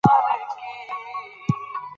افغانستان د د ریګ دښتې لپاره مشهور دی.